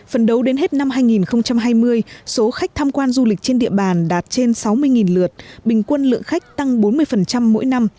phần đầu đến hết năm hai nghìn hai mươi số khách tham quan du lịch trên địa bàn đạt trên sáu mươi lượt bình quân lượng khách tăng bốn mươi mỗi năm